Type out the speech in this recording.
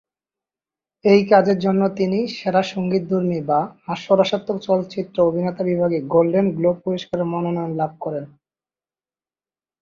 এই কাজের জন্য তিনি সেরা সঙ্গীতধর্মী বা হাস্যরসাত্মক চলচ্চিত্র অভিনেতা বিভাগে গোল্ডেন গ্লোব পুরস্কারের মনোনয়ন লাভ করেন।